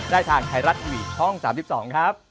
ได้ทางไทยรัฐทีวีช่อง๓๒ครับ